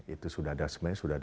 itu sudah ada